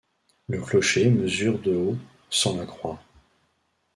Le clocher mesure de haut sans la croix.